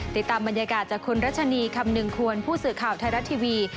ติดตามบรรยากาศจากคุณรัชนีคำนึงควรผู้สื่อข่าวไทยรัฐทีวี